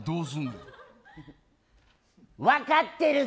分かってるさ！